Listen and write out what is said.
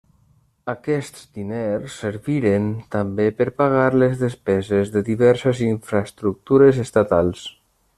Aquests diners serviren també per pagar les despeses de diverses infraestructures estatals.